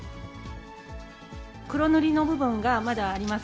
黒塗りの部分がまだあります。